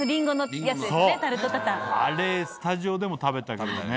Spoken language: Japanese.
あれスタジオでも食べたけどね。